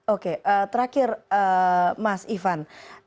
oke terakhir mas ivan